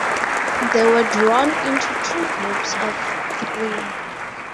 They were drawn into two groups of three.